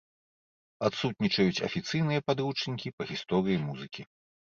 Адсутнічаюць афіцыйныя падручнікі па гісторыі музыкі.